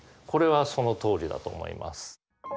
これはそのとおりだと思います。